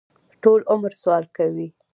ټول عمر سوال کوي.